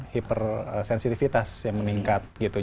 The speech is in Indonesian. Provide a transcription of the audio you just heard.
hipersensitifitas yang meningkat gitu